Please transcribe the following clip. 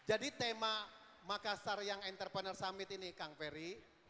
jadi tema makassar young entrepreneur summit ini kang ferry